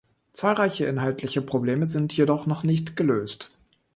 Zahlreiche inhaltliche Probleme sind jedoch noch nicht gelöst.